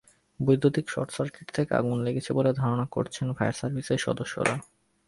বৈদ্যুতিক শর্টসার্কিট থেকে আগুন লেগেছে বলে ধারণা করছেন ফায়ার সার্ভিসের সদস্যরা।